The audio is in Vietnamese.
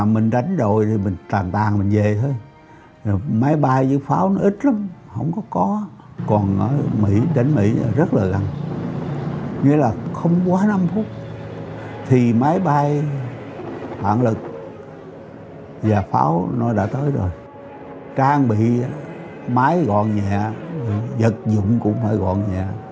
máy bay hạn lực và pháo nó đã tới rồi trang bị máy gọn nhẹ vật dụng cũng hơi gọn nhẹ